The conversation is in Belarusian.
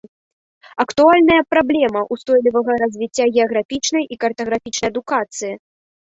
Актуальныя праблемы ўстойлівага развіцця геаграфічнай і картаграфічнай адукацыі.